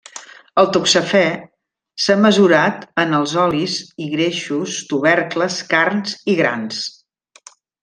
El toxafè s'ha mesurat en els olis i greixos, tubercles, carns i grans.